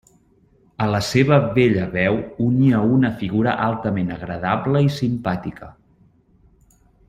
A la seva bella veu unia una figura altament agradable i simpàtica.